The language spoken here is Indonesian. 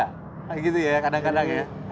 nah gitu ya kadang kadang ya